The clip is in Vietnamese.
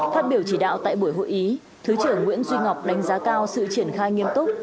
phát biểu chỉ đạo tại buổi hội ý thứ trưởng nguyễn duy ngọc đánh giá cao sự triển khai nghiêm túc